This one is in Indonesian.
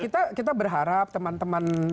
kita berharap teman teman